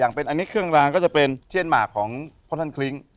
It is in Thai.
อันนี้เครื่องรางก็จะเป็นเจียนหมากของพ่อท่านคลิ้ง